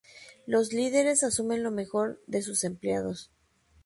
Los líderes asumen lo mejor de sus empleados.